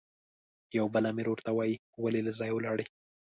یو بل امیر ورته وایي، ولې له ځایه ولاړې؟